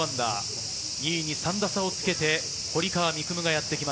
２位に３打差をつけて、堀川未来